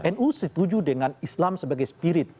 nu setuju dengan islam sebagai spirit